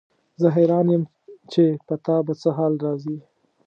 زه حیران یم چې په تا به څه حال راځي.